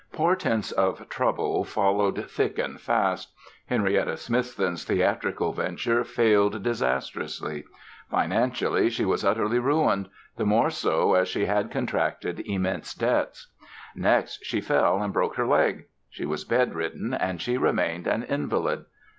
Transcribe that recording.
Portents of trouble followed thick and fast. Henrietta Smithson's theatrical venture failed disastrously. Financially she was utterly ruined, the more so as she had contracted immense debts. Next, she fell and broke her leg. She was bed ridden and she remained an invalid.